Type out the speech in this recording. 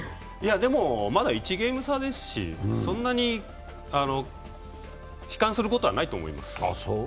でも、まだ１ゲーム差ですし、そんなに悲観することはないと思います。